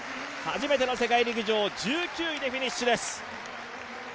初めての世界陸上１９位でフィニッシュです。